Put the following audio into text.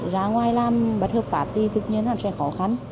ra ngoài làm bất hợp pháp thì thực nhiên là sẽ khó khăn